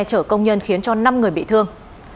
trở công nhân khiến cho năm người bị thương